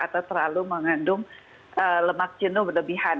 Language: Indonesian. atau terlalu mengandung lemak jenuh berlebihan